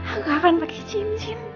aku akan pakai cincin